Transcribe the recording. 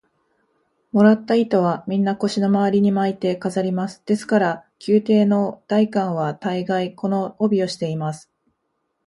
もらった糸は、みんな腰のまわりに巻いて飾ります。ですから、宮廷の大官は大がい、この帯をしています。